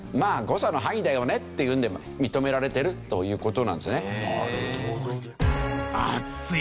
誤差の範囲だよねっていうので認められてるという事なんですよね。